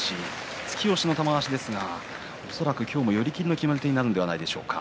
突き押しの玉鷲ですが恐らく今日も寄り切りの決まり手になるんじゃないでしょうか。